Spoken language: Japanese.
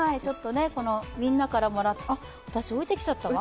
みんなからもらった私、置いてきちゃったわ。